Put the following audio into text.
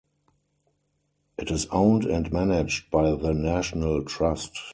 It is owned and managed by the National Trust.